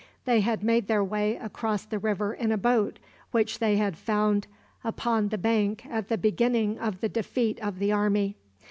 They had made their way across the river in a boat which they had found upon the bank at the beginning of the defeat of the army.